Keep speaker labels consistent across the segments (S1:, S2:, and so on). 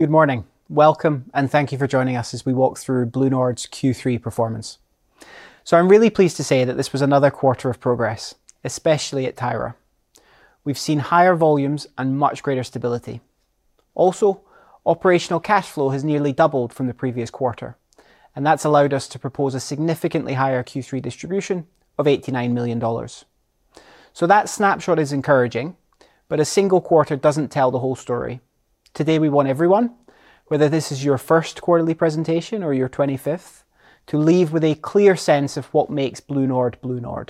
S1: Good morning. Welcome, and thank you for joining us as we walk through BlueNord's Q3 performance. I'm really pleased to say that this was another quarter of progress, especially at Tyra. We've seen higher volumes and much greater stability. Also, operational cash flow has nearly doubled from the previous quarter, and that's allowed us to propose a significantly higher Q3 distribution of $89 million. That snapshot is encouraging, but a single quarter doesn't tell the whole story. Today, we want everyone, whether this is your first quarterly presentation or your 25th, to leave with a clear sense of what makes BlueNord BlueNord,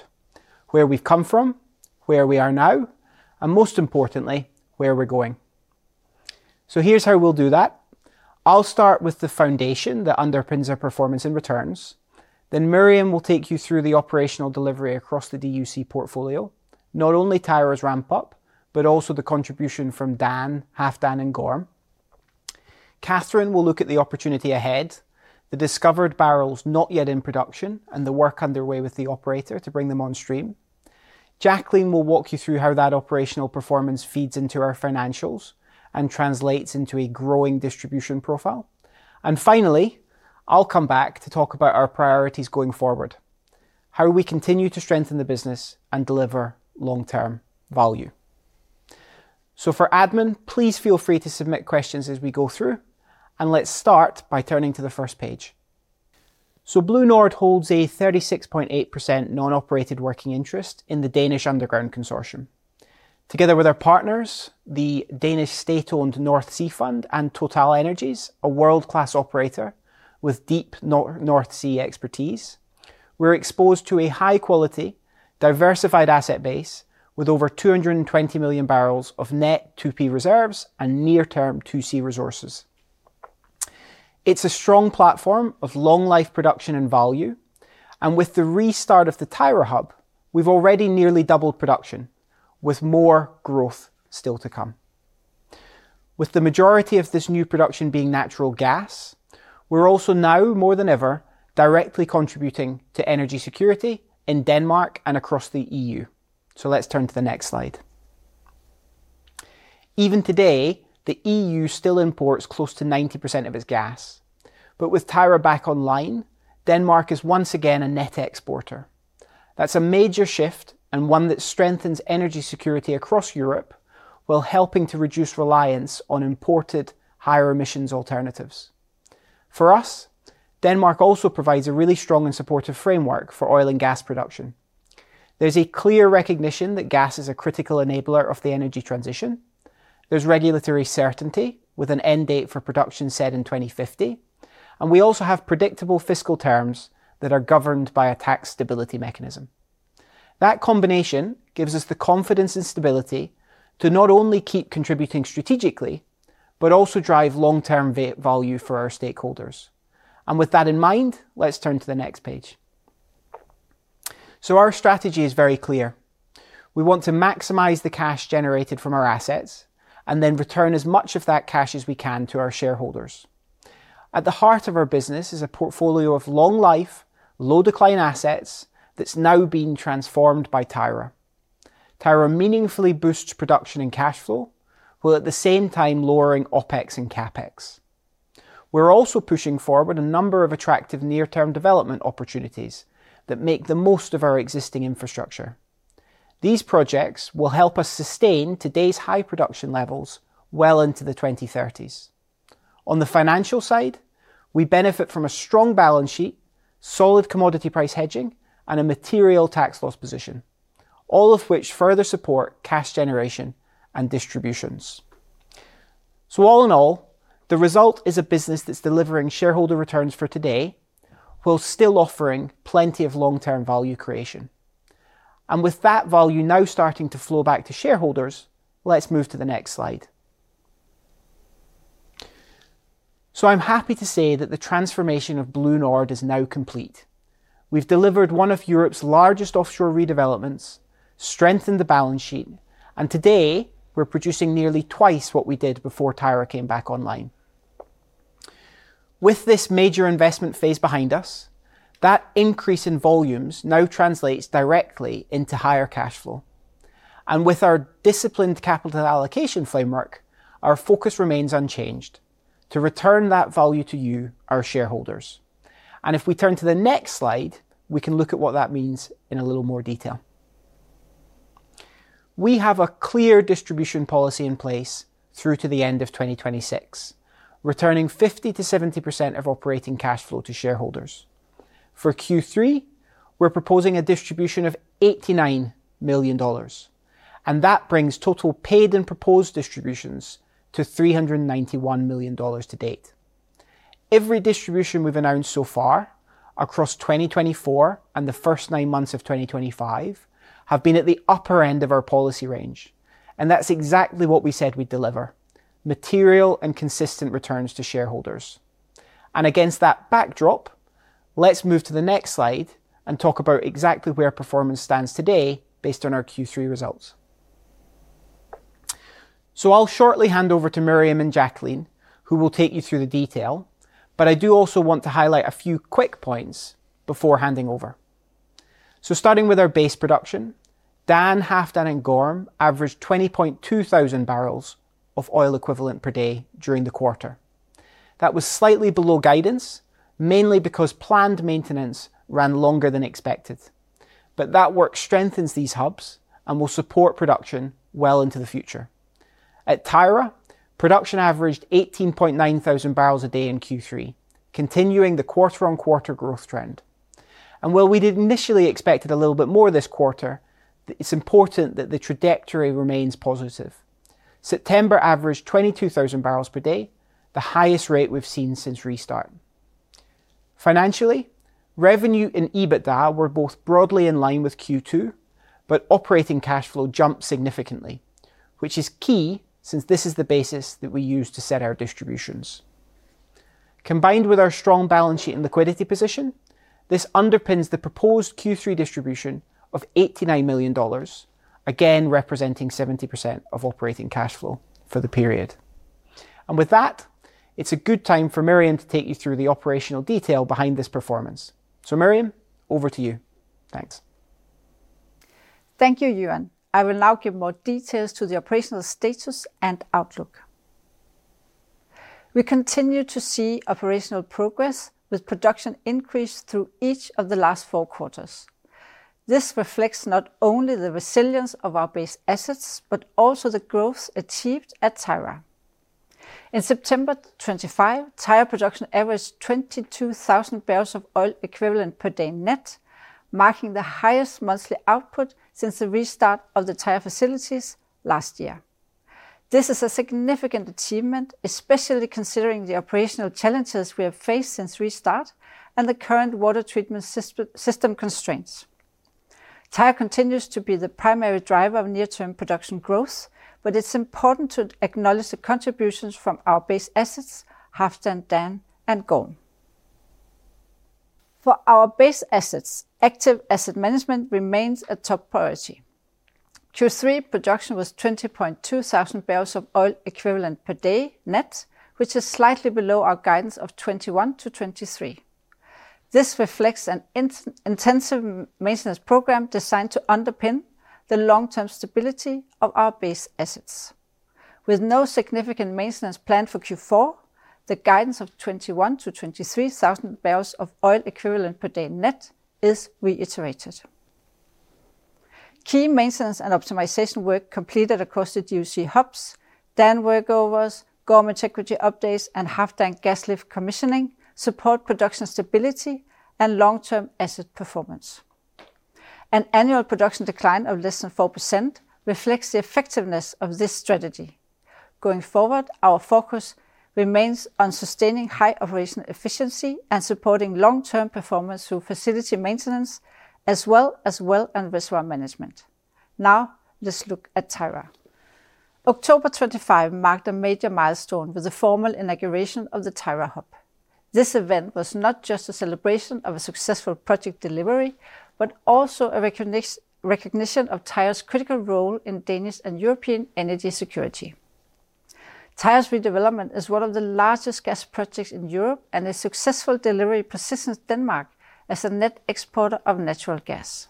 S1: where we've come from, where we are now, and most importantly, where we're going. Here's how we'll do that. I'll start with the foundation that underpins our performance and returns. Then Miriam will take you through the operational delivery across the DUC portfolio, not only Tyra's ramp-up, but also the contribution from Dan, Halfdan, and Gorm. Cathrine will look at the opportunity ahead, the discovered barrels not yet in production, and the work underway with the operator to bring them on stream. Jacqueline will walk you through how that operational performance feeds into our financials and translates into a growing distribution profile. Finally, I'll come back to talk about our priorities going forward, how we continue to strengthen the business and deliver long-term value. For admin, please feel free to submit questions as we go through. Let's start by turning to the first page. BlueNord holds a 36.8% non-operated working interest in the Danish Underground Consortium. Together with our partners, the Danish state-owned North Sea Fund and TotalEnergies, a world-class operator with deep North Sea expertise, we're exposed to a high-quality, diversified asset base with over 220 million barrels of net 2P reserves and near-term 2C resources. It's a strong platform of long-life production and value. With the restart of the Tyra hub, we've already nearly doubled production, with more growth still to come. With the majority of this new production being natural gas, we're also now, more than ever, directly contributing to energy security in Denmark and across the EU. Let's turn to the next slide. Even today, the EU still imports close to 90% of its gas. With Tyra back online, Denmark is once again a net exporter. That's a major shift and one that strengthens energy security across Europe while helping to reduce reliance on imported higher emissions alternatives. For us, Denmark also provides a really strong and supportive framework for oil and gas production. There's a clear recognition that gas is a critical enabler of the energy transition. There's regulatory certainty, with an end date for production set in 2050. We also have predictable fiscal terms that are governed by a tax stability mechanism. That combination gives us the confidence and stability to not only keep contributing strategically, but also drive long-term value for our stakeholders. With that in mind, let's turn to the next page. Our strategy is very clear. We want to maximize the cash generated from our assets and then return as much of that cash as we can to our shareholders. At the heart of our business is a portfolio of long-life, low-decline assets that's now being transformed by Tyra. Tyra meaningfully boosts production and cash flow, while at the same time lowering OpEx and CapEx. We're also pushing forward a number of attractive near-term development opportunities that make the most of our existing infrastructure. These projects will help us sustain today's high production levels well into the 2030s. On the financial side, we benefit from a strong balance sheet, solid commodity price hedging, and a material tax loss position, all of which further support cash generation and distributions. All in all, the result is a business that's delivering shareholder returns for today, while still offering plenty of long-term value creation. With that value now starting to flow back to shareholders, let's move to the next slide. I'm happy to say that the transformation of BlueNord is now complete. We've delivered one of Europe's largest offshore redevelopments, strengthened the balance sheet, and today, we're producing nearly twice what we did before Tyra came back online. With this major investment phase behind us, that increase in volumes now translates directly into higher cash flow. With our disciplined capital allocation framework, our focus remains unchanged to return that value to you, our shareholders. If we turn to the next slide, we can look at what that means in a little more detail. We have a clear distribution policy in place through to the end of 2026, returning 50%-70% of operating cash flow to shareholders. For Q3, we're proposing a distribution of $89 million. That brings total paid and proposed distributions to $391 million to date. Every distribution we've announced so far across 2024 and the first nine months of 2025 have been at the upper end of our policy range. That's exactly what we said we'd deliver: material and consistent returns to shareholders. Against that backdrop, let's move to the next slide and talk about exactly where performance stands today based on our Q3 results. I'll shortly hand over to Miriam and Jacqueline, who will take you through the detail. I do also want to highlight a few quick points before handing over. Starting with our base production, Dan, Halfdan, and Gorm averaged 20, 200 bbl of oil equivalent per day during the quarter. That was slightly below guidance, mainly because planned maintenance ran longer than expected. That work strengthens these hubs and will support production well into the future. At Tyra, production averaged 18,900 bbl a day in Q3, continuing the quarter-on-quarter growth trend. While we'd initially expected a little bit more this quarter, it's important that the trajectory remains positive. September averaged 22,000 bbl per day, the highest rate we've seen since restart. Financially, revenue and EBITDA were both broadly in line with Q2, but operating cash flow jumped significantly, which is key since this is the basis that we use to set our distributions. Combined with our strong balance sheet and liquidity position, this underpins the proposed Q3 distribution of $89 million, again representing 70% of operating cash flow for the period. With that, it's a good time for Miriam to take you through the operational detail behind this performance. Miriam, over to you. Thanks.
S2: Thank you, Euan. I will now give more details to the operational status and outlook. We continue to see operational progress with production increased through each of the last four quarters. This reflects not only the resilience of our base assets, but also the growth achieved at Tyra. In September 2025, Tyra production averaged 22,000 bbl of oil equivalent per day net, marking the highest monthly output since the restart of the Tyra facilities last year. This is a significant achievement, especially considering the operational challenges we have faced since restart and the current water treatment system constraints. Tyra continues to be the primary driver of near-term production growth, but it's important to acknowledge the contributions from our base assets, Halfdan, Dan, and Gorm. For our base assets, active asset management remains a top priority. In Q3, production was 20,200 bbl of oil equivalent per day net, which is slightly below our guidance of 21%-23%. This reflects an intensive maintenance program designed to underpin the long-term stability of our base assets. With no significant maintenance planned for Q4, the guidance of 21,000 bbl-23,000 bbl of oil equivalent per day net is reiterated. Key maintenance and optimization work completed across the DUC hubs, Dan workovers, Gorm integrity updates, and Halfdan gas lift commissioning support production stability and long-term asset performance. An annual production decline of less than 4% reflects the effectiveness of this strategy. Going forward, our focus remains on sustaining high operational efficiency and supporting long-term performance through facility maintenance, as well as well and reservoir management. Now, let's look at Tyra. October 2025 marked a major milestone with the formal inauguration of the Tyra hub. This event was not just a celebration of a successful project delivery, but also a recognition of Tyra's critical role in Danish and European energy security. Tyra's redevelopment is one of the largest gas projects in Europe, and a successful delivery positioned Denmark as a net exporter of natural gas.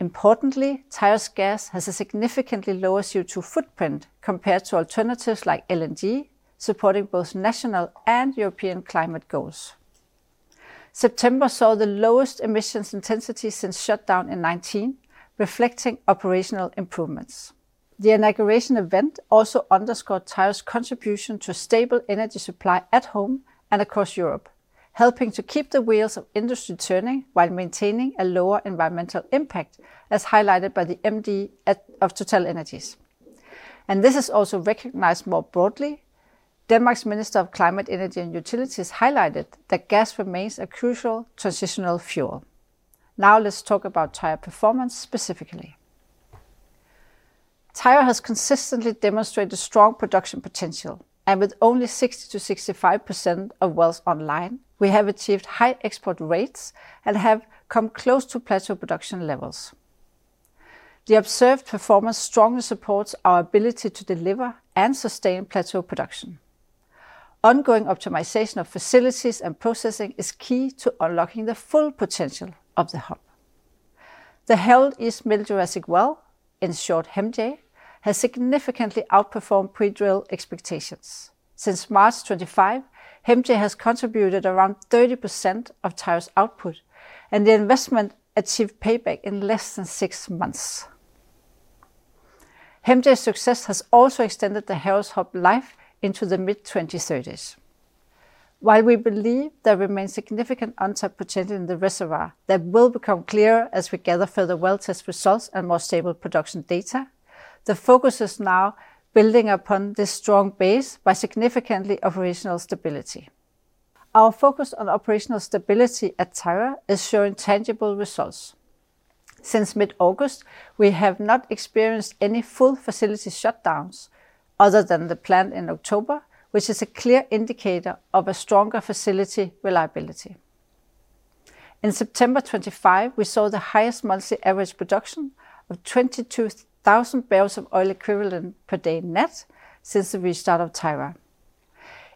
S2: Importantly, Tyra's gas has a significantly lower CO2 footprint compared to alternatives like LNG, supporting both national and European climate goals. September saw the lowest emissions intensity since shutdown in 2019, reflecting operational improvements. The inauguration event also underscored Tyra's contribution to a stable energy supply at home and across Europe, helping to keep the wheels of industry turning while maintaining a lower environmental impact, as highlighted by the MD of TotalEnergies. This is also recognized more broadly. Denmark's Minister of Climate, Energy, and Utilities highlighted that gas remains a crucial transitional fuel. Now, let's talk about Tyra performance specifically. Tyra has consistently demonstrated strong production potential, and with only 60%-65% of wells online, we have achieved high export rates and have come close to plateau production levels. The observed performance strongly supports our ability to deliver and sustain plateau production. Ongoing optimization of facilities and processing is key to unlocking the full potential of the hub. The Harald East Middle Jurassic well in short HEMJ has significantly outperformed pre-drill expectations. Since March 2025, HEMJ has contributed around 30% of Tyra's output, and the investment achieved payback in less than six months. HEMJ's success has also extended the Harald's hub life into the mid-2030s. While we believe there remains significant untapped potential in the reservoir that will become clearer as we gather further well-test results and more stable production data, the focus is now building upon this strong base by significantly increasing operational stability. Our focus on operational stability at Tyra is showing tangible results. Since mid-August, we have not experienced any full facility shutdowns other than the planned in October, which is a clear indicator of a stronger facility reliability. In September 2025, we saw the highest monthly average production of 22,000 bbl of oil equivalent per day net since the restart of Tyra.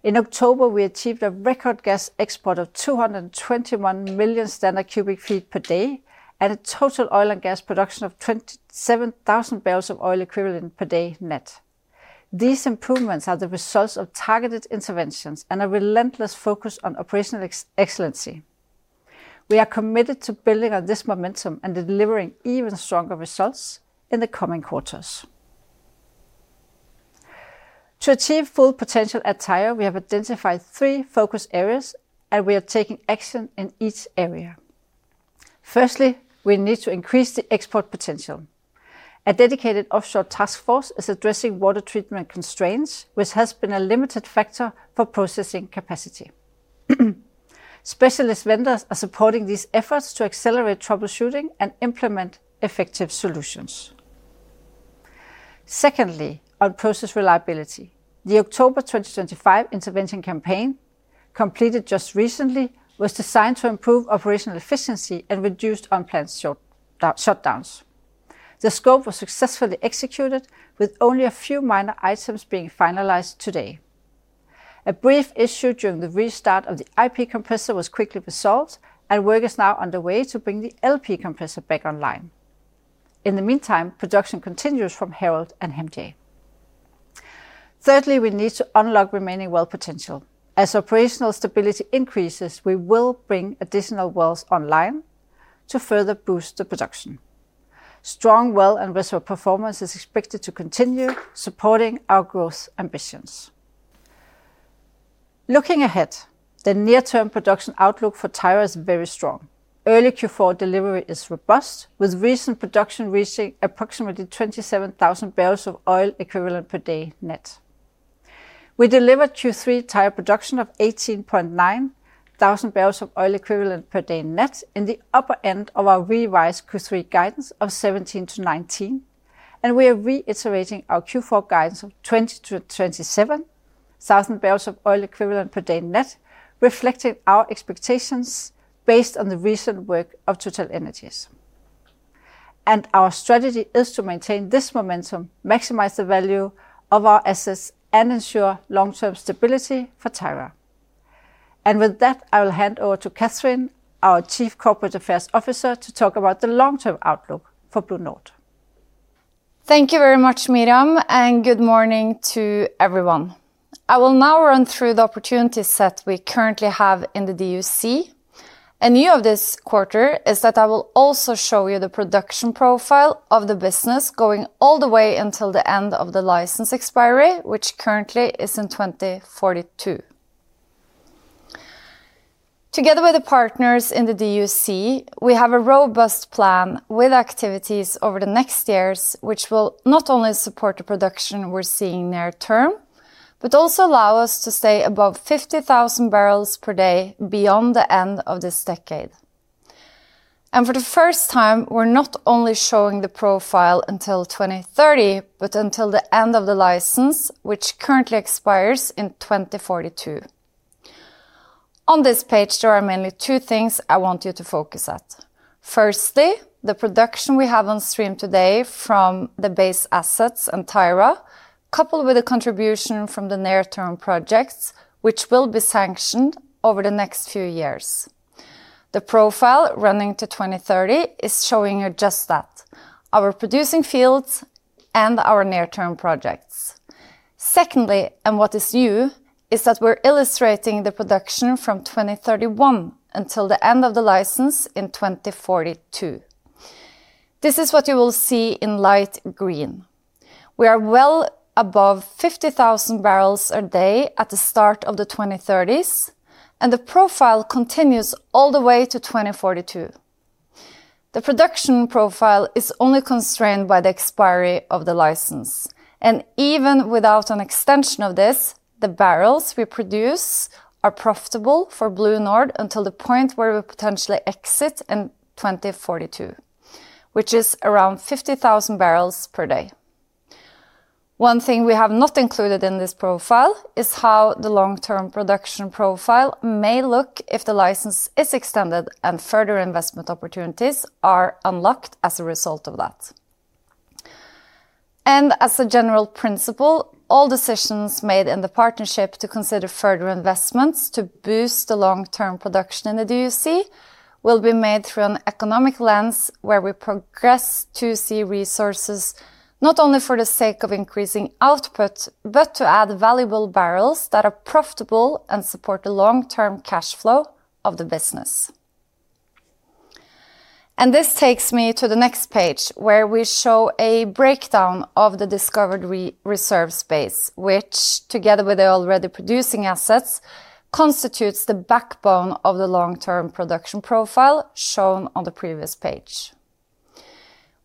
S2: In October, we achieved a record gas export of 221 million standard cu ft per day and a total oil and gas production of 27,000 bbl of oil equivalent per day net. These improvements are the results of targeted interventions and a relentless focus on operational excellency. We are committed to building on this momentum and delivering even stronger results in the coming quarters. To achieve full potential at Tyra, we have identified three focus areas, and we are taking action in each area. Firstly, we need to increase the export potential. A dedicated offshore task force is addressing water treatment constraints, which has been a limiting factor for processing capacity. Specialist vendors are supporting these efforts to accelerate troubleshooting and implement effective solutions. Secondly, on process reliability, the October 2025 intervention campaign completed just recently was designed to improve operational efficiency and reduce unplanned shutdowns. The scope was successfully executed, with only a few minor items being finalized today. A brief issue during the restart of the IP compressor was quickly resolved, and work is now underway to bring the LP compressor back online. In the meantime, production continues from Harald and HEMJ. Thirdly, we need to unlock remaining well potential. As operational stability increases, we will bring additional wells online to further boost the production. Strong well and reservoir performance is expected to continue, supporting our growth ambitions. Looking ahead, the near-term production outlook for Tyra is very strong. Early Q4 delivery is robust, with recent production reaching approximately 27,000 bbl of oil equivalent per day net. We delivered Q3 Tyra production of 18,900 bbl of oil equivalent per day net in the upper end of our revised Q3 guidance of 17,000 bbl-19000 bbl, and we are reiterating our Q4 guidance of 20,000 bbl-27,000 bbl of oil equivalent per day net, reflecting our expectations based on the recent work of TotalEnergies. Our strategy is to maintain this momentum, maximize the value of our assets, and ensure long-term stability for Tyra. With that, I will hand over to Cathrine, our Chief Corporate Affairs Officer, to talk about the long-term outlook for BlueNord.
S3: Thank you very much, Miriam, and good morning to everyone. I will now run through the opportunities that we currently have in the DUC. A new element of this quarter is that I will also show you the production profile of the business going all the way until the end of the license expiry, which currently is in 2042. Together with the partners in the DUC, we have a robust plan with activities over the next years, which will not only support the production we're seeing near term, but also allow us to stay above 50,000 bbl per day beyond the end of this decade. For the first time, we're not only showing the profile until 2030, but until the end of the license, which currently expires in 2042. On this page, there are mainly two things I want you to focus on. Firstly, the production we have on stream today from the base assets and Tyra, coupled with the contribution from the near-term projects, which will be sanctioned over the next few years. The profile running to 2030 is showing you just that: our producing fields and our near-term projects. Secondly, what is new is that we're illustrating the production from 2031 until the end of the license in 2042. This is what you will see in light green. We are well above 50,000 bbl a day at the start of the 2030s, and the profile continues all the way to 2042. The production profile is only constrained by the expiry of the license. Even without an extension of this, the barrels we produce are profitable for BlueNord until the point where we potentially exit in 2042, which is around 50,000 bbl per day. One thing we have not included in this profile is how the long-term production profile may look if the license is extended and further investment opportunities are unlocked as a result of that. As a general principle, all decisions made in the partnership to consider further investments to boost the long-term production in the DUC will be made through an economic lens where we progress 2C resources not only for the sake of increasing output, but to add valuable barrels that are profitable and support the long-term cash flow of the business. This takes me to the next page, where we show a breakdown of the discovered reserve space, which, together with the already producing assets, constitutes the backbone of the long-term production profile shown on the previous page.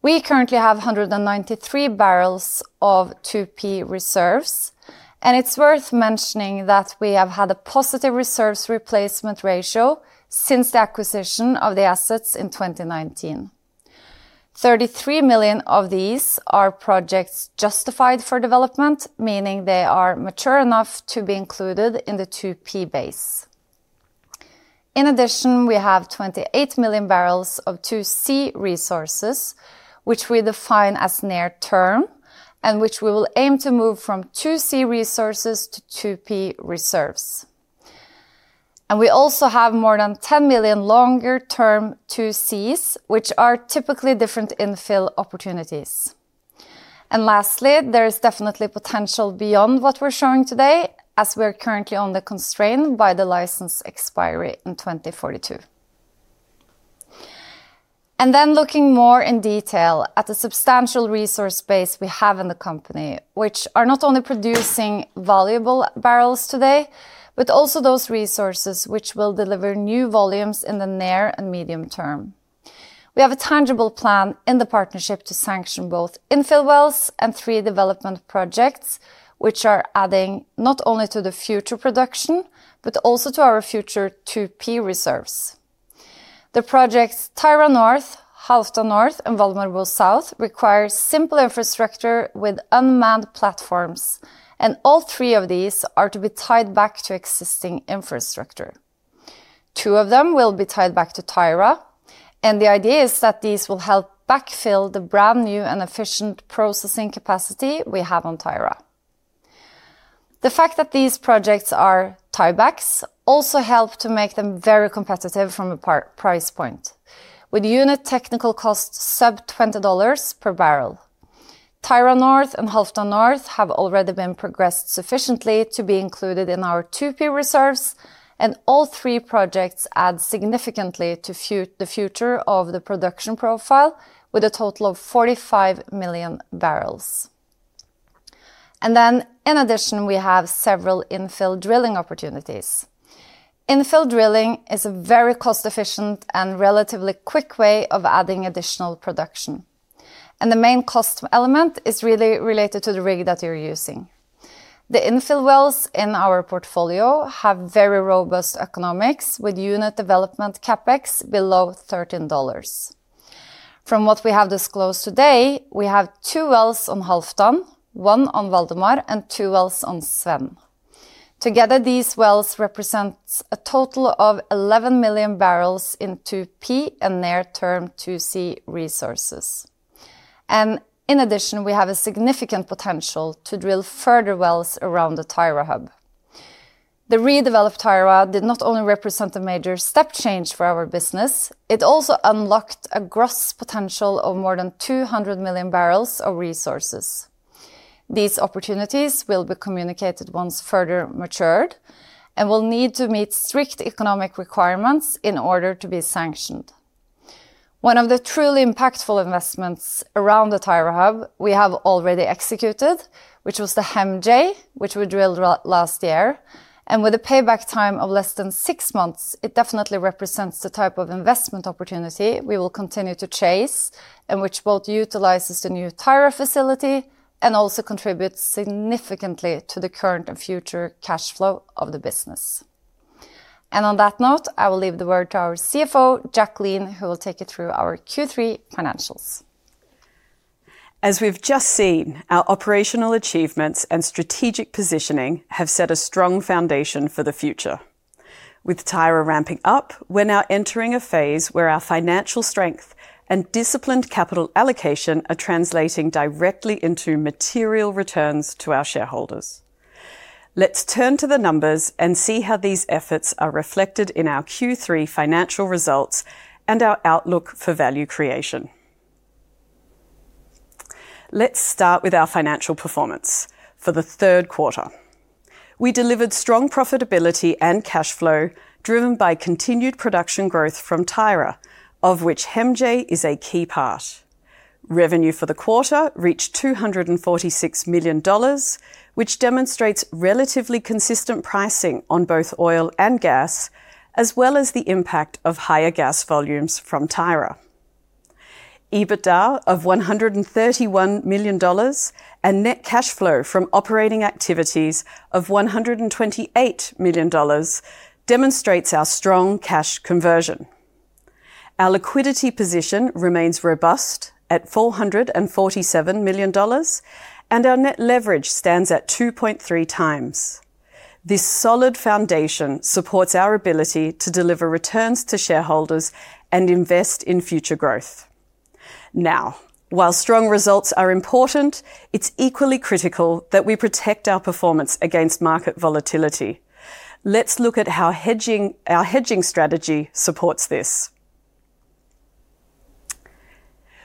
S3: We currently have 193 million bbl of 2P reserves, and it's worth mentioning that we have had a positive reserves replacement ratio since the acquisition of the assets in 2019. 33 million bbl of these are projects justified for development, meaning they are mature enough to be included in the 2P base. In addition, we have 28 million bbl of 2C resources, which we define as near term, and which we will aim to move from 2C resources to 2P reserves. We also have more than 10 million longer-term 2Cs, which are typically different infill opportunities. Lastly, there is definitely potential beyond what we're showing today, as we are currently under constraint by the license expiry in 2042. Looking more in detail at the substantial resource base we have in the company, which are not only producing valuable barrels today, but also those resources which will deliver new volumes in the near and medium term. We have a tangible plan in the partnership to sanction both infill wells and three development projects, which are adding not only to the future production, but also to our future 2P reserves. The projects Tyra North, Halfdan North, and Valmörebo South require simple infrastructure with unmanned platforms, and all three of these are to be tied back to existing infrastructure. Two of them will be tied back to Tyra, and the idea is that these will help backfill the brand new and efficient processing capacity we have on Tyra. The fact that these projects are tiebacks also helps to make them very competitive from a price point, with unit technical costs sub $20 per barrel. Tyra North and Halfdan North have already been progressed sufficiently to be included in our 2P reserves, and all three projects add significantly to the future of the production profile, with a total of 45 million bbl. In addition, we have several infill drilling opportunities. Infill drilling is a very cost-efficient and relatively quick way of adding additional production. The main cost element is really related to the rig that you're using. The infill wells in our portfolio have very robust economics, with unit development CapEx below $13. From what we have disclosed today, we have two wells on Halfdan, one on Valmöre, and two wells on Sven. Together, these wells represent a total of 11 million bbl in 2P and near-term 2C resources. In addition, we have a significant potential to drill further wells around the Tyra hub. The redeveloped Tyra did not only represent a major step change for our business, it also unlocked a gross potential of more than 200 million bbl of resources. These opportunities will be communicated once further matured and will need to meet strict economic requirements in order to be sanctioned. One of the truly impactful investments around the Tyra hub we have already executed, which was the HEMJ which we drilled last year. With a payback time of less than six months, it definitely represents the type of investment opportunity we will continue to chase, and which both utilizes the new Tyra facility and also contributes significantly to the current and future cash flow of the business. On that note, I will leave the word to our CFO, Jacqueline, who will take you through our Q3 financials.
S4: As we've just seen, our operational achievements and strategic positioning have set a strong foundation for the future. With Tyra ramping up, we're now entering a phase where our financial strength and disciplined capital allocation are translating directly into material returns to our shareholders. Let's turn to the numbers and see how these efforts are reflected in our Q3 financial results and our outlook for value creation. Let's start with our financial performance for the third quarter. We delivered strong profitability and cash flow, driven by continued production growth from Tyra, of which HEMJ is a key part. Revenue for the quarter reached $246 million, which demonstrates relatively consistent pricing on both oil and gas, as well as the impact of higher gas volumes from Tyra. EBITDA of $131 million and net cash flow from operating activities of $128 million demonstrate our strong cash conversion. Our liquidity position remains robust at $447 million, and our net leverage stands at 2.3x. This solid foundation supports our ability to deliver returns to shareholders and invest in future growth. Now, while strong results are important, it's equally critical that we protect our performance against market volatility. Let's look at how our hedging strategy supports this.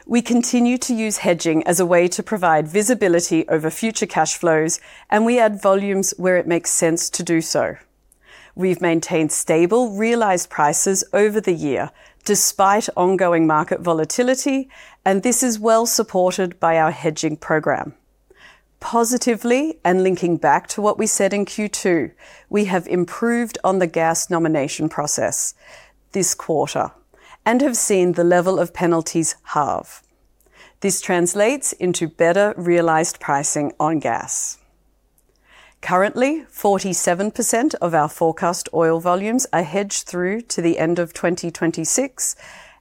S4: We continue to use hedging as a way to provide visibility over future cash flows, and we add volumes where it makes sense to do so. We've maintained stable realized prices over the year, despite ongoing market volatility, and this is well supported by our hedging program. Positively, and linking back to what we said in Q2, we have improved on the gas nomination process this quarter and have seen the level of penalties halve. This translates into better realized pricing on gas. Currently, 47% of our forecast oil volumes are hedged through to the end of 2026,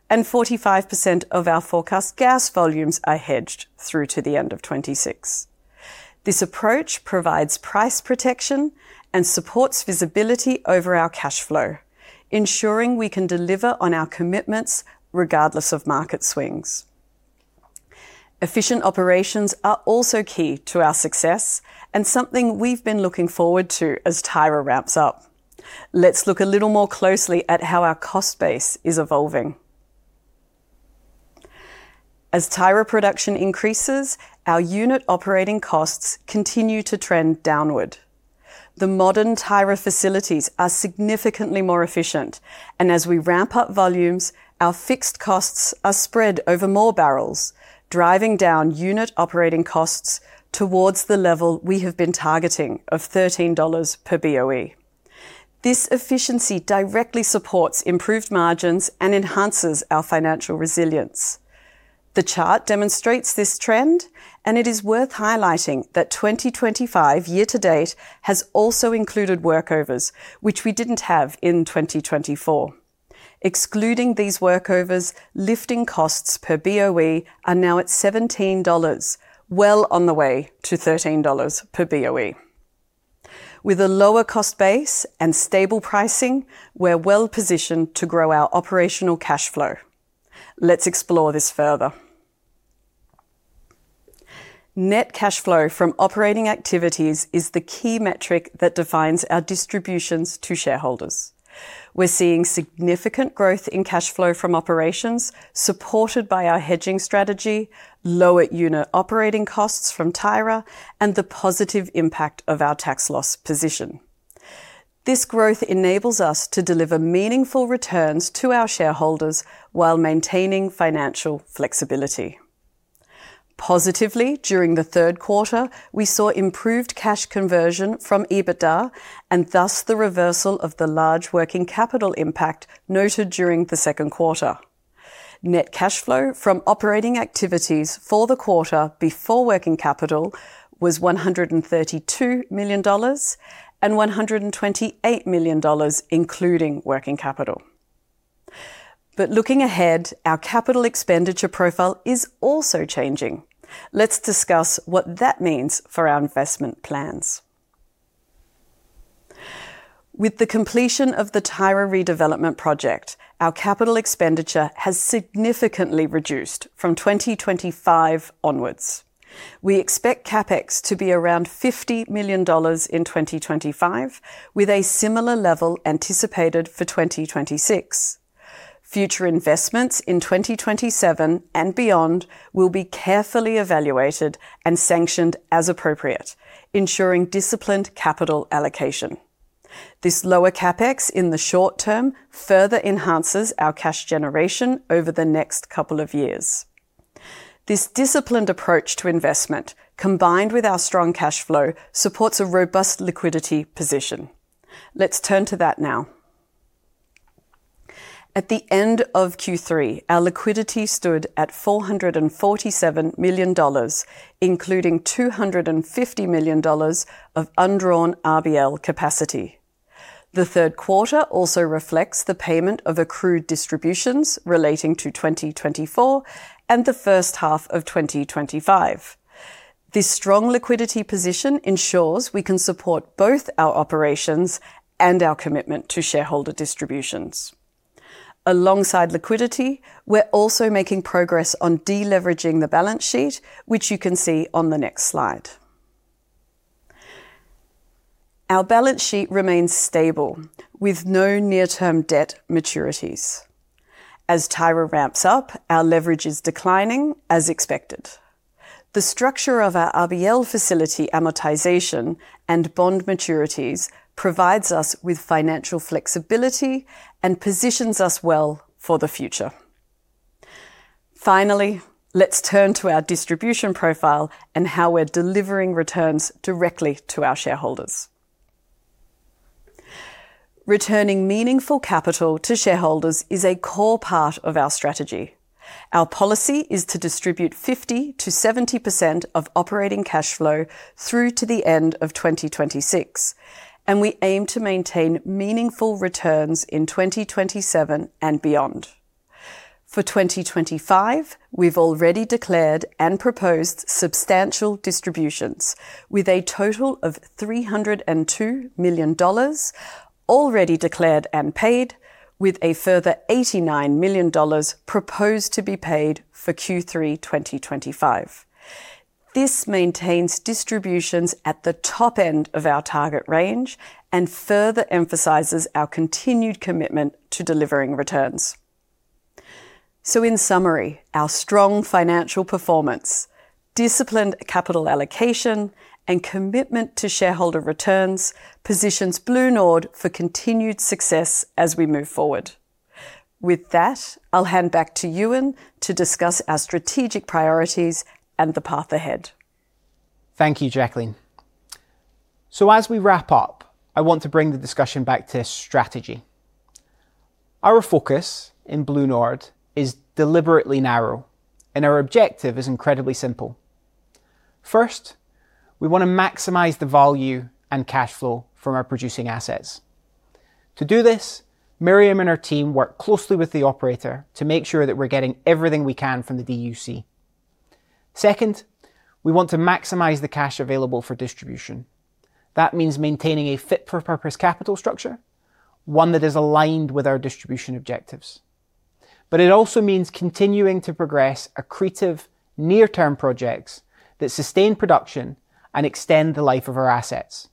S4: and 45% of our forecast gas volumes are hedged through to the end of 2026. This approach provides price protection and supports visibility over our cash flow, ensuring we can deliver on our commitments regardless of market swings. Efficient operations are also key to our success and something we've been looking forward to as Tyra ramps up. Let's look a little more closely at how our cost base is evolving. As Tyra production increases, our unit operating costs continue to trend downward. The modern Tyra facilities are significantly more efficient, and as we ramp up volumes, our fixed costs are spread over more barrels, driving down unit operating costs towards the level we have been targeting of $13 per BOE. This efficiency directly supports improved margins and enhances our financial resilience. The chart demonstrates this trend, and it is worth highlighting that 2025 year-to-date has also included workovers, which we didn't have in 2024. Excluding these workovers, lifting costs per BOE are now at $17, well on the way to $13 per BOE. With a lower cost base and stable pricing, we're well positioned to grow our operational cash flow. Let's explore this further. Net cash flow from operating activities is the key metric that defines our distributions to shareholders. We're seeing significant growth in cash flow from operations, supported by our hedging strategy, lower unit operating costs from Tyra, and the positive impact of our tax loss position. This growth enables us to deliver meaningful returns to our shareholders while maintaining financial flexibility. Positively, during the third quarter, we saw improved cash conversion from EBITDA and thus the reversal of the large working capital impact noted during the second quarter. Net cash flow from operating activities for the quarter before working capital was $132 million and $128 million including working capital. Looking ahead, our capital expenditure profile is also changing. Let's discuss what that means for our investment plans. With the completion of the Tyra redevelopment project, our capital expenditure has significantly reduced from 2025 onwards. We expect capital expenditures to be around $50 million in 2025, with a similar level anticipated for 2026. Future investments in 2027 and beyond will be carefully evaluated and sanctioned as appropriate, ensuring disciplined capital allocation. This lower capital expenditure in the short term further enhances our cash generation over the next couple of years. This disciplined approach to investment, combined with our strong cash flow, supports a robust liquidity position. Let's turn to that now. At the end of Q3, our liquidity stood at $447 million, including $250 million of undrawn RBL capacity. The third quarter also reflects the payment of accrued distributions relating to 2024 and the first half of 2025. This strong liquidity position ensures we can support both our operations and our commitment to shareholder distributions. Alongside liquidity, we're also making progress on deleveraging the balance sheet, which you can see on the next slide. Our balance sheet remains stable, with no near-term debt maturities. As Tyra ramps up, our leverage is declining as expected. The structure of our RBL facility amortization and bond maturities provides us with financial flexibility and positions us well for the future. Finally, let's turn to our distribution profile and how we're delivering returns directly to our shareholders. Returning meaningful capital to shareholders is a core part of our strategy. Our policy is to distribute 50%-70% of operating cash flow through to the end of 2026, and we aim to maintain meaningful returns in 2027 and beyond. For 2025, we've already declared and proposed substantial distributions, with a total of $302 million already declared and paid, with a further $89 million proposed to be paid for Q3 2025. This maintains distributions at the top end of our target range and further emphasizes our continued commitment to delivering returns. In summary, our strong financial performance, disciplined capital allocation, and commitment to shareholder returns positions BlueNord for continued success as we move forward. With that, I'll hand back to Euan to discuss our strategic priorities and the path ahead.
S1: Thank you, Jacqueline. As we wrap up, I want to bring the discussion back to strategy. Our focus in BlueNord is deliberately narrow, and our objective is incredibly simple. First, we want to maximize the value and cash flow from our producing assets. To do this, Miriam and her team work closely with the operator to make sure that we're getting everything we can from the DUC. Second, we want to maximize the cash available for distribution. That means maintaining a fit-for-purpose capital structure, one that is aligned with our distribution objectives. It also means continuing to progress accretive near-term projects that sustain production and extend the life of our assets.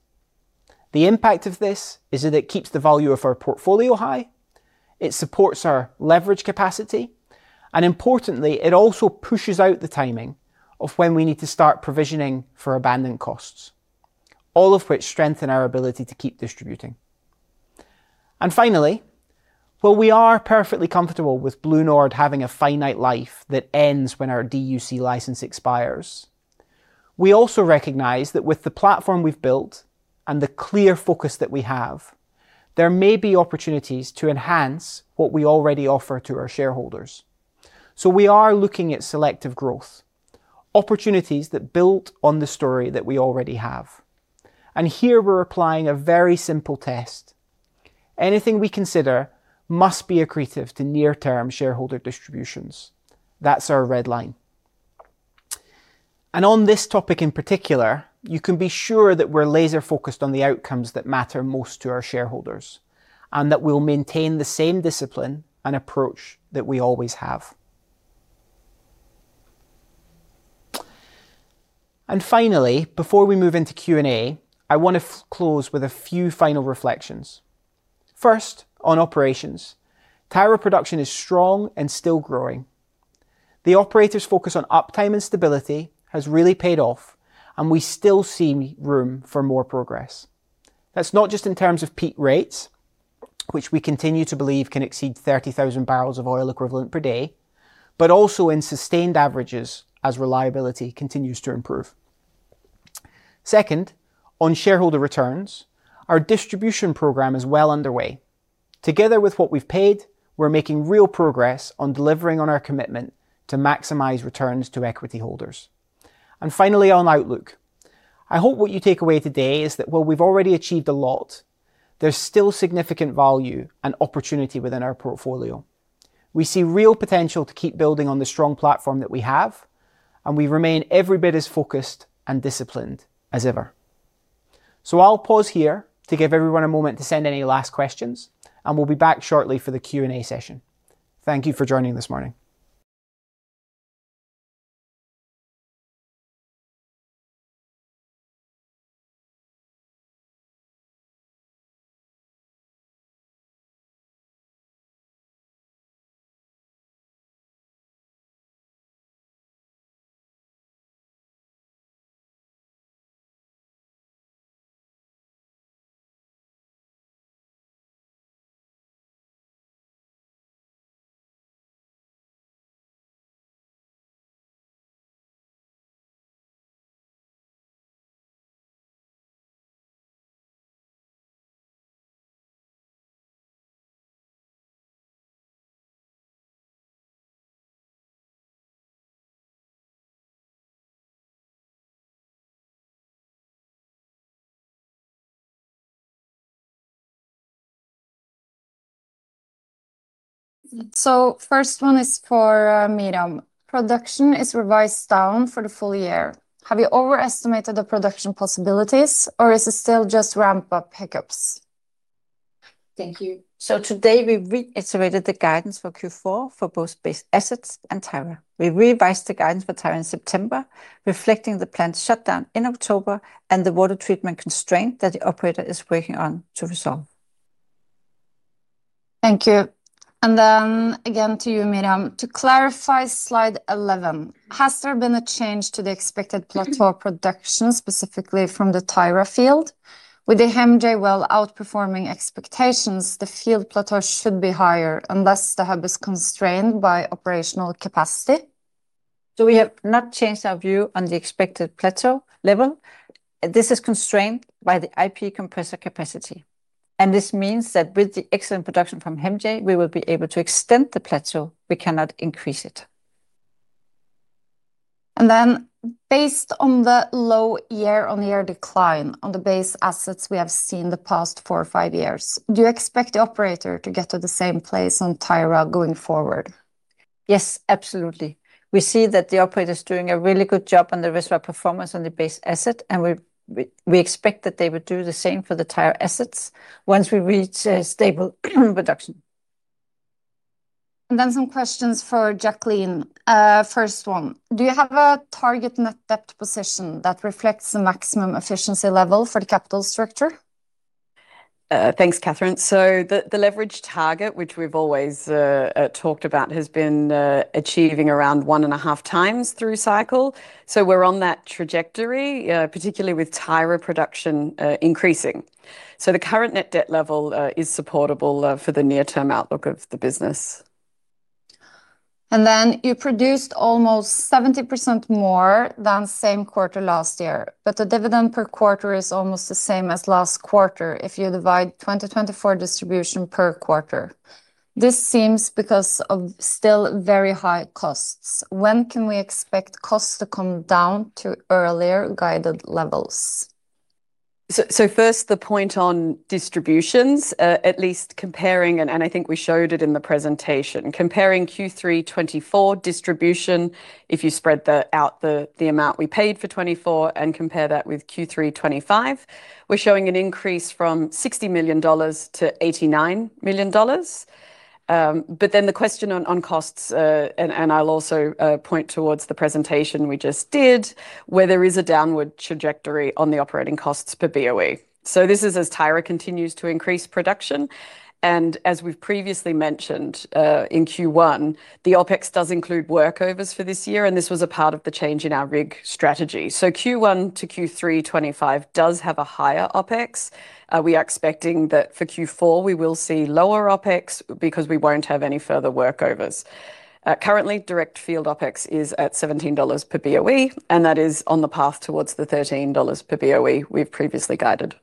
S1: The impact of this is that it keeps the value of our portfolio high, it supports our leverage capacity, and importantly, it also pushes out the timing of when we need to start provisioning for abandoned costs, all of which strengthen our ability to keep distributing. Finally, while we are perfectly comfortable with BlueNord having a finite life that ends when our DUC license expires, we also recognize that with the platform we've built and the clear focus that we have, there may be opportunities to enhance what we already offer to our shareholders. We are looking at selective growth, opportunities that build on the story that we already have. Here we're applying a very simple test: anything we consider must be accretive to near-term shareholder distributions. That's our red line. On this topic in particular, you can be sure that we're laser-focused on the outcomes that matter most to our shareholders and that we'll maintain the same discipline and approach that we always have. Before we move into Q&A, I want to close with a few final reflections. First, on operations, Tyra production is strong and still growing. The operator's focus on uptime and stability has really paid off, and we still see room for more progress. That's not just in terms of peak rates, which we continue to believe can exceed 30,000 bbl of oil equivalent per day, but also in sustained averages as reliability continues to improve. Second, on shareholder returns, our distribution program is well underway. Together with what we've paid, we're making real progress on delivering on our commitment to maximize returns to equity holders. Finally, on outlook, I hope what you take away today is that while we've already achieved a lot, there's still significant value and opportunity within our portfolio. We see real potential to keep building on the strong platform that we have, and we remain every bit as focused and disciplined as ever. I'll pause here to give everyone a moment to send any last questions, and we'll be back shortly for the Q&A session. Thank you for joining this morning.
S3: First one is for Miriam. Production is revised down for the full year. Have you overestimated the production possibilities, or is it still just ramp-up hiccups?
S2: Thank you. Today we reiterated the guidance for Q4 for both base assets and Tyra. We revised the guidance for Tyra in September, reflecting the planned shutdown in October and the water treatment constraint that the operator is working on to resolve.
S3: Thank you. To you, Miriam. To clarify slide 11, has there been a change to the expected plateau of production, specifically from the Tyra field? With the HEMJ well outperforming expectations, the field plateau should be higher unless the hub is constrained by operational capacity.
S2: We have not changed our view on the expected plateau level. This is constrained by the IP compressor capacity. This means that with the excellent production from the HEMJ well, we will be able to extend the plateau, but we cannot increase it.
S3: Based on the low year-on-year decline on the base assets we have seen the past four or five years, do you expect the operator to get to the same place on Tyra going forward?
S2: Yes, absolutely. We see that the operator is doing a really good job on the reservoir performance on the base asset, and we expect that they would do the same for the Tyra assets once we reach a stable production.
S3: Some questions for Jacqueline. First one, do you have a target net debt position that reflects the maximum efficiency level for the capital structure?
S4: Thanks, Cathrine. The leverage target, which we've always talked about, has been achieving around 1.5x through cycle. We're on that trajectory, particularly with Tyra production increasing. The current net debt level is supportable for the near-term outlook of the business.
S3: You produced almost 70% more than the same quarter last year, but the dividend per quarter is almost the same as last quarter if you divide 2024 distribution per quarter. This seems because of still very high costs. When can we expect costs to come down to earlier guided levels?
S4: First, the point on distributions, at least comparing, and I think we showed it in the presentation, comparing Q3 2024 distribution, if you spread out the amount we paid for 2024 and compare that with Q3 2025, we're showing an increase from $60 million-$89 million. The question on costs, I'll also point towards the presentation we just did, where there is a downward trajectory on the operating costs per BOE. This is as Tyra continues to increase production. As we've previously mentioned in Q1, the OpEx does include workovers for this year, and this was a part of the change in our rig strategy. Q1 to Q3 2025 does have a higher OpEx We are expecting that for Q4 we will see lower OpEx because we won't have any further workovers. Currently, direct field OpEx is at $17 per BOE, and that is on the path towards the $13 per BOE we've previously guided.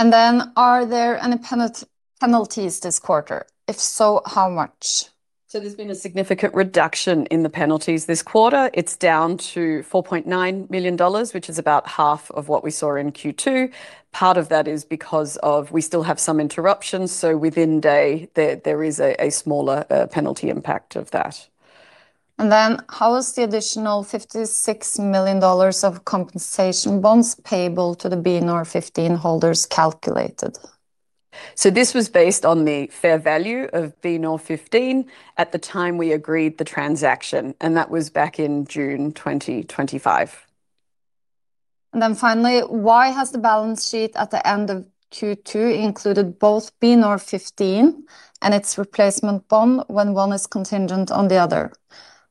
S3: Are there any penalties this quarter? If so, how much?
S4: There's been a significant reduction in the penalties this quarter. It's down to $4.9 million, which is about half of what we saw in Q2. Part of that is because we still have some interruptions, so within day there is a smaller penalty impact of that.
S3: How is the additional $56 million of compensation bonds payable to the BNOR 15 holders calculated?
S4: This was based on the fair value of BNOR 15 at the time we agreed the transaction, and that was back in June 2025.
S3: Finally, why has the balance sheet at the end of Q2 included both BNOR 15 and its replacement bond when one is contingent on the other?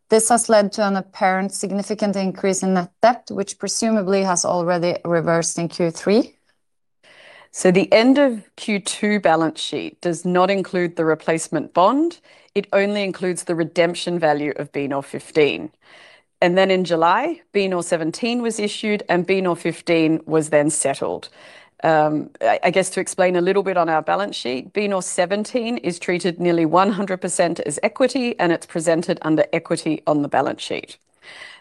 S3: This has led to an apparent significant increase in net debt, which presumably has already reversed in Q3.
S4: The end of Q2 balance sheet does not include the replacement bond; it only includes the redemption value of BNOR 15. In July, BNOR 17 was issued, and BNOR 15 was then settled. To explain a little bit on our balance sheet, BNOR 17 is treated nearly 100% as equity, and it's presented under equity on the balance sheet.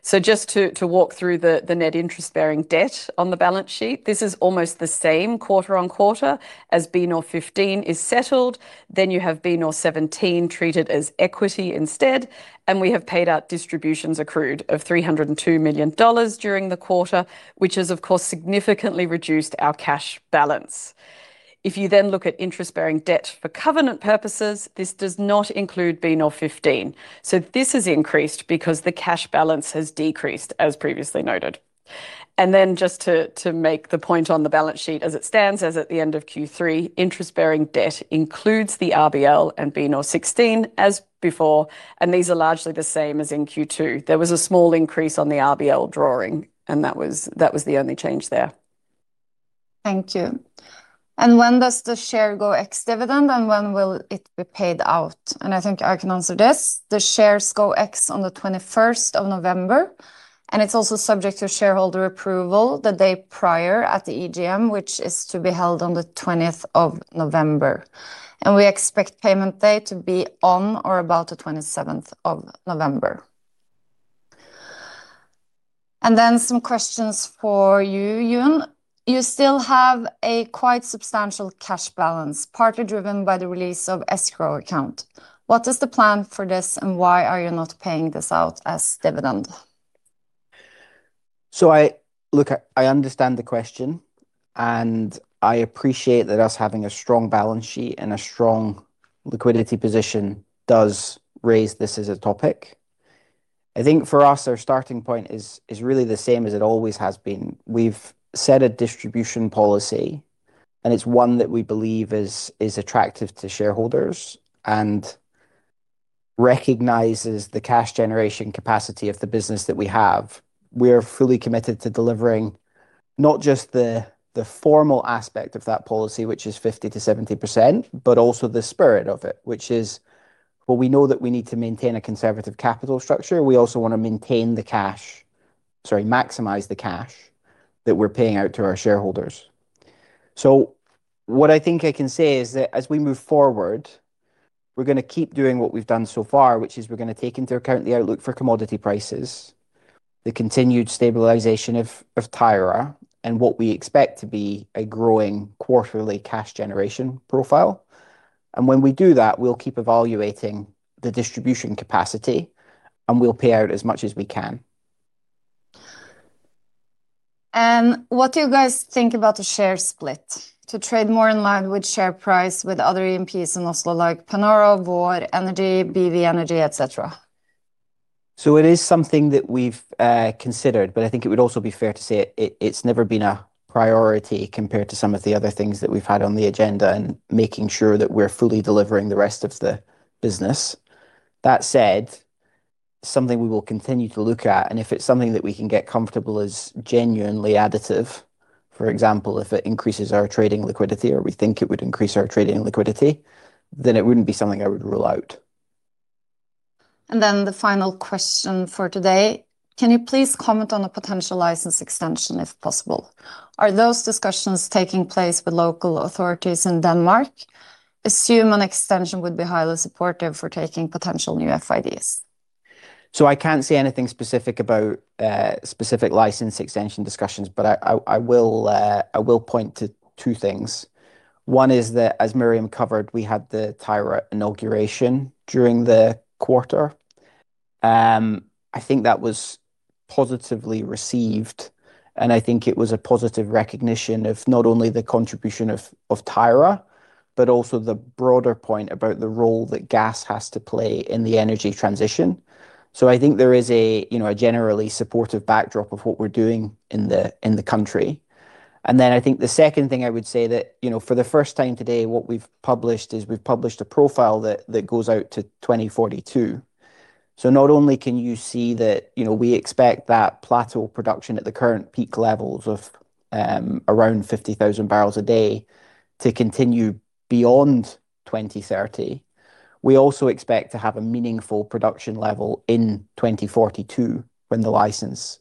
S4: To walk through the net interest-bearing debt on the balance sheet, this is almost the same quarter on quarter. As BNOR 15 is settled, then you have BNOR 17 treated as equity instead, and we have paid out distributions accrued of $302 million during the quarter, which has, of course, significantly reduced our cash balance. If you look at interest-bearing debt for covenant purposes, this does not include BNOR 15. This has increased because the cash balance has decreased, as previously noted. To make the point on the balance sheet as it stands, as at the end of Q3, interest-bearing debt includes the RBL and BNOR 16 as before, and these are largely the same as in Q2. There was a small increase on the RBL drawing, and that was the only change there.
S3: Thank you. When does the share go ex-dividend, and when will it be paid out? I think I can answer this. The shares go ex on the 21st of November, and it's also subject to shareholder approval the day prior at the EGM, which is to be held on the 20th of November. We expect payment day to be on or about the 27th of November. I have some questions for you, Euan. You still have a quite substantial cash balance, partly driven by the release of escrow account. What is the plan for this, and why are you not paying this out as dividend?
S1: I understand the question, and I appreciate that us having a strong balance sheet and a strong liquidity position does raise this as a topic. I think for us, our starting point is really the same as it always has been. We've set a distribution policy, and it's one that we believe is attractive to shareholders and recognizes the cash generation capacity of the business that we have. We are fully committed to delivering not just the formal aspect of that policy, which is 50% to 70%, but also the spirit of it, which is, we know that we need to maintain a conservative capital structure. We also want to maintain the cash, sorry, maximize the cash that we're paying out to our shareholders. I think I can say that as we move forward, we're going to keep doing what we've done so far, which is we're going to take into account the outlook for commodity prices, the continued stabilization of Tyra, and what we expect to be a growing quarterly cash generation profile. When we do that, we'll keep evaluating the distribution capacity, and we'll pay out as much as we can.
S3: What do you guys think about a share split to trade more in line with share price with other E&Ps in Oslo like Panoro, Vår Energi, BW Energy, et cetera?
S1: It is something that we've considered, but I think it would also be fair to say it's never been a priority compared to some of the other things that we've had on the agenda and making sure that we're fully delivering the rest of the business. That said, it's something we will continue to look at, and if it's something that we can get comfortable as genuinely additive, for example, if it increases our trading liquidity or we think it would increase our trading liquidity, then it wouldn't be something I would rule out.
S3: The final question for today: Can you please comment on a potential license extension if possible? Are those discussions taking place with local authorities in Denmark? I assume an extension would be highly supportive for taking potential new FIDs.
S1: I can't say anything specific about specific license extension discussions, but I will point to two things. One is that, as Miriam covered, we had the Tyra inauguration during the quarter. I think that was positively received, and I think it was a positive recognition of not only the contribution of Tyra, but also the broader point about the role that gas has to play in the energy transition. I think there is a generally supportive backdrop of what we're doing in the country. The second thing I would say is that, for the first time today, what we've published is we've published a profile that goes out to 2042. Not only can you see that we expect that plateau production at the current peak levels of around 50,000 bbl a day to continue beyond 2030, we also expect to have a meaningful production level in 2042 when the license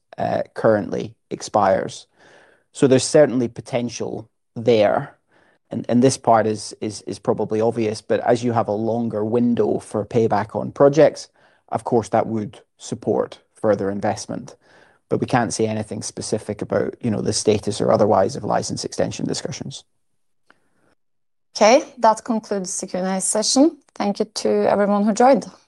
S1: currently expires. There's certainly potential there, and this part is probably obvious, but as you have a longer window for payback on projects, of course, that would support further investment. We can't say anything specific about the status or otherwise of license extension discussions.
S3: Okay, that concludes the Q&A session. Thank you to everyone who joined.
S1: Thank you.